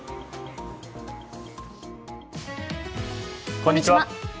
こんにちは。